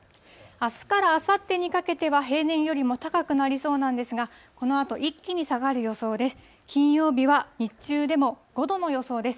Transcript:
あすからあさってにかけては、平年よりも高くなりそうなんですが、このあと一気に下がる予想です。